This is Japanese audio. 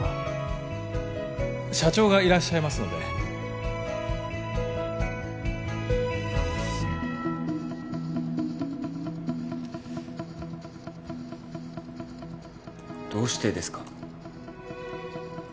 社長がいらっしゃいますのでどうしてですか？